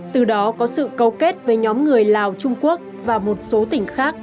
từ đó có sự câu kết với nhóm người lào trung quốc và một số tỉnh khác